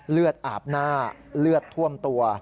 เลือดอาบหน้าเลือดท่วมตัว